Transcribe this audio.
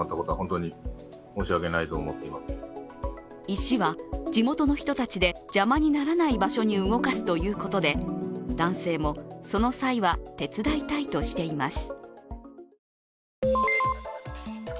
石は地元の人たちで場所にならない場所へ動かすということで男性もその際は手伝いたいとしています。